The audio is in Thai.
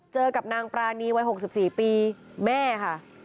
เจอกับนางปรานีวัย๖๔ปีแม่ค่ะ